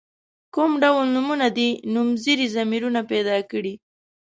کوم ډول نومونه دي نومځري ضمیرونه پیداکړي.